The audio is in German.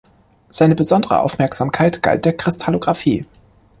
Seine besondere Aufmerksamkeit galt der Kristallographie.